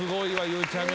ゆうちゃみ